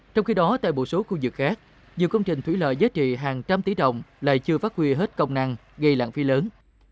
trong khi đó tại một số khu vực khác nhiều công trình thủy lợi giá trị hàng trăm tỷ đồng lại chưa phát huy hết công năng gây lãng phí lớn